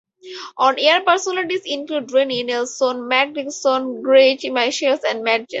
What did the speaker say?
On air personalities include Renee Nelson, Mac Dickson, Greg Michaels and Matt James.